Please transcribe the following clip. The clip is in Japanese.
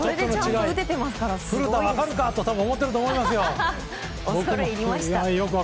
古田、分かるか？と思ってると思いますよ。